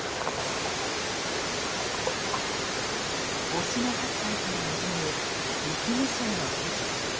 忍野八海から望む雪化粧の富士。